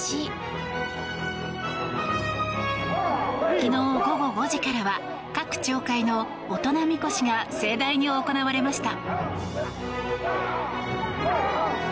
昨日午後５時からは各町会の大人みこしが盛大に行われました。